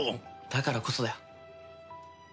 だからこそだよ。